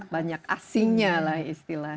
banyak asingnya lah istilahnya